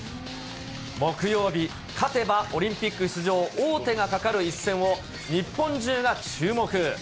木曜日、勝てばオリンピック出場王手がかかる一戦を、日本中が注目。